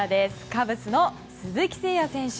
カブスの鈴木誠也選手。